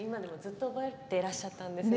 ずっと覚えていらっしゃったんですね